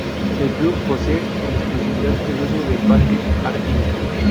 El club posee en exclusividad el uso del Parque Artigas.